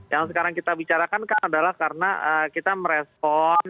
yang sekarang kita bicarakan kan adalah karena kita merespon